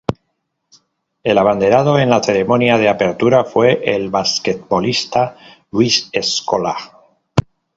El abanderado en la ceremonia de apertura fue el basquetbolista Luis Scola.